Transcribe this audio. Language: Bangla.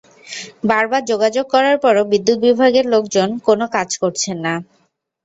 বারবার যোগাযোগ করার পরও বিদ্যুৎ বিভাগের লোকজন কোনো কাজ করছেন না।